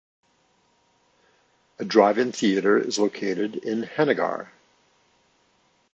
A drive-in theater is located in Henagar.